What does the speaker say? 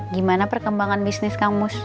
gimana perkembangan bisnis kamu